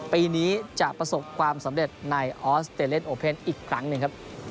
ปีนี้จะประสบความสำเร็จในออสเตรเลียโอเพ่นอีกครั้งหนึ่งครับ